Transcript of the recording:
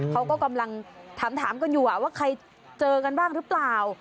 เขาก็กำลังถามกันอยู่ว่าใครเจอกันบ้างหรือเปล่า